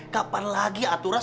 kapan lagi aturas